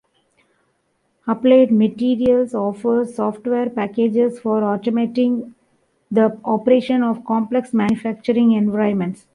Applied Materials offers software packages for automating the operation of complex manufacturing environments.